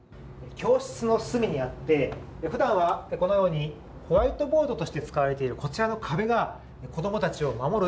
教室の隅にあって、ふだんはこのようにホワイトボードとして使われているこちらの壁が子供たちを守る